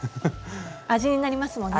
味になりますもんね。